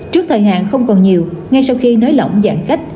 trước thời hạn không còn nhiều ngay sau khi nới lỏng giãn cách